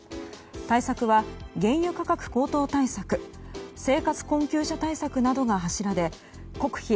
対策は、原油価格高騰対策生活困窮者対策などが柱で国費